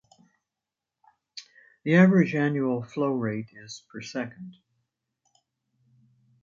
The average annual flow rate is per second.